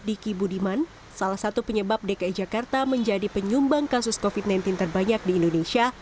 diki budiman salah satu penyebab dki jakarta menjadi penyumbang kasus covid sembilan belas terbanyak di indonesia